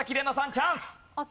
チャンス。